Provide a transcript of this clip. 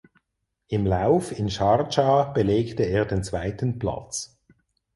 Im Lauf in Sharjah belegte er den zweiten Platz.